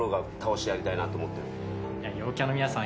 陽キャの皆さん